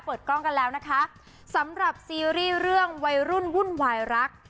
กล้องกันแล้วนะคะสำหรับซีรีส์เรื่องวัยรุ่นวุ่นวายรัก